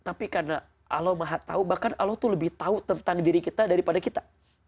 tapi karena allah maha tahu bahkan allah itu lebih tahu tentang diri kita daripada kita